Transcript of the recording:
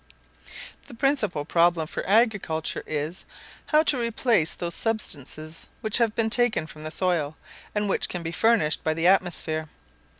The principal problem for agriculture is, how to replace those substances which have been taken from the soil, and which cannot be furnished by the atmosphere.